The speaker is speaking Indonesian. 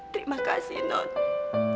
terima kasih nona